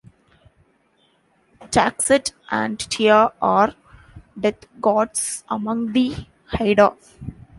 Ta'xet and Tia are death gods among the Haida.